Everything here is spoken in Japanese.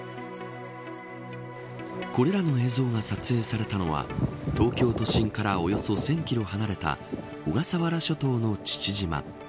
これらの映像が撮影されたのは東京都心からおよそ１０００キロ離れた小笠原諸島の父島。